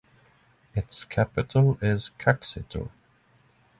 Its capital is Caxito.